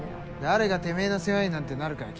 誰がてめぇの世話になんてなるかよ。